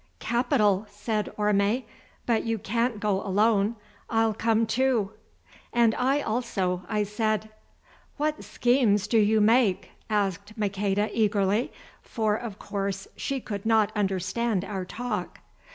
"Capital," said Orme, "but you can't go alone. I'll come too." "And I also," I said. "What schemes do you make?" asked Maqueda eagerly, for, of course, she could not understand our talk.